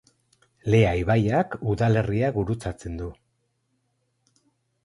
Lea ibaiak udalerria gurutzatzen du.